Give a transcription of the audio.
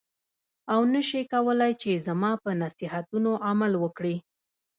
او نه شې کولای چې زما په نصیحتونو عمل وکړې.